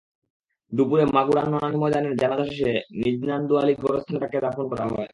দুপুরে মাগুরা নোমানী ময়দানে জানাজা শেষে নিজনান্দুয়ালী গোরস্থানে তাঁকে দাফন করা হয়।